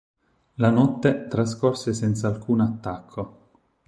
La notte trascorse senza alcun attacco.